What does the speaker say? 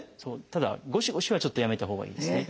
ただごしごしはちょっとやめたほうがいいですね。